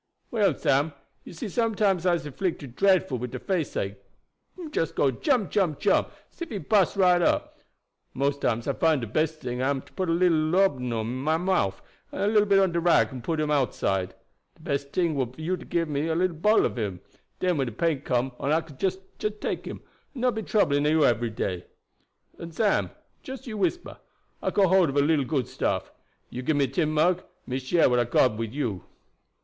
"Well, Sam, you see sometimes I'se 'flicted dre'fful wid de faceache him just go jump, jump, jump, as ef he bust right up. Mose times I find de best ting am to put a little laudabun in my mouf, and a little on bit of rag and put him outside. De best ting would be for you to gib me little bottle of him; den when de pain come on I could jess take him, and not be troubling you ebery day. And Sam, jus you whisper I got hold of a little good stuff. You gib me tin mug; me share what I hab got wid you."